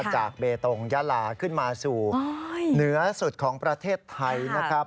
จากเบตงยาลาขึ้นมาสู่เหนือสุดของประเทศไทยนะครับ